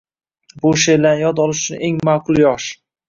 Bu sheʼrlarni yod olish uchun eng maʼqul yosh.